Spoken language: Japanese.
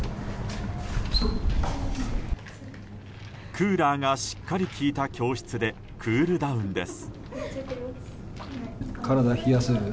クーラーがしっかり効いた教室でクールダウンです。